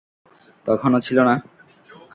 তখনও ছিল না?